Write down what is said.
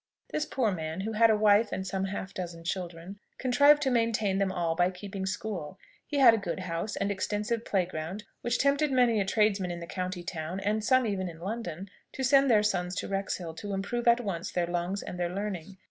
This poor man, who had a wife and some half dozen children, contrived to maintain them all by keeping school. He had a good house and extensive play ground, which tempted many a tradesman in the county town, and some even in London, to send their sons to Wrexhill to improve at once their lungs and their learning.